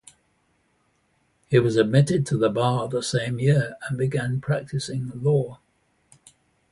He was admitted to the bar the same year and began practicing law.